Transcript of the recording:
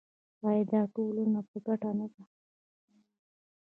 آیا دا د ټولو په ګټه نه ده؟